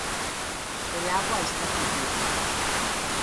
El agua está turbia,